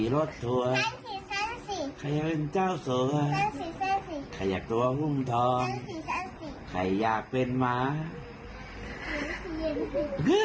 ก็จริงแล้วลูกสาวก็มีพรุ่งอะไรไหมคุณแม่ด้วย